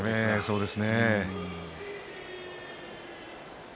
そうですね。